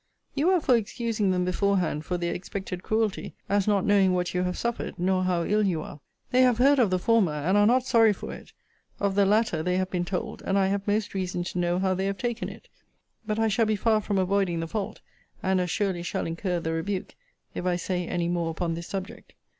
You are for excusing them beforehand for their expected cruelty, as not knowing what you have suffered, nor how ill you are: they have heard of the former, and are not sorry for it: of the latter they have been told, and I have most reason to know how they have taken it but I shall be far from avoiding the fault, and as surely shall incur the rebuke, if I say any more upon this subject.